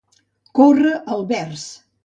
Córrer el vers.